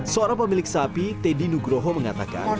seorang pemilik sapi teddy nugroho mengatakan